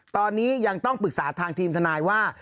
ตอนนี้ยังต้องปรึกษาทางทีมทนายว่า